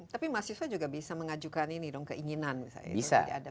tapi mahasiswa juga bisa mengajukan ini dong keinginan misalnya